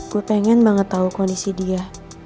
aku pengen banget tahu kondisi dia